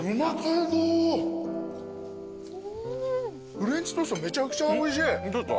フレンチトーストめちゃくちゃおいしい。